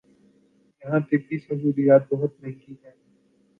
یہاں طبی سہولیات بہت مہنگی ہیں